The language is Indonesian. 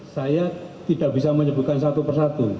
saya tidak bisa menyebutkan satu persatu